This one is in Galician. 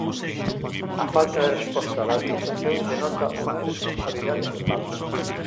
A falta de resposta da Administración denota unha irresponsabilidade total.